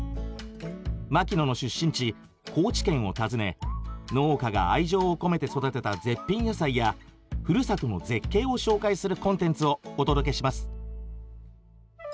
牧野の出身地高知県を訪ね農家が愛情を込めて育てた絶品野菜やふるさとの絶景を紹介するコンテンツをお届けします